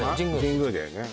神宮だよね